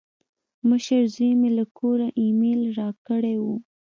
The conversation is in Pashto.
مشر زوی مې له کوره ایمیل راکړی و.